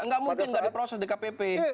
tidak mungkin tidak diproses dkpp